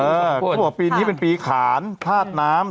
เขาบอกว่าปีนี้เป็นปีขานธาตุน้ำ